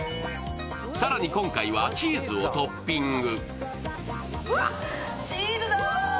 更に今回はチーズをトッピング。